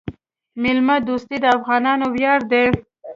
میلمه دوستي د افغانانو ویاړ دی.